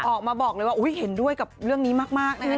ออกมาบอกเลยว่าเห็นด้วยกับเรื่องนี้มากนะครับ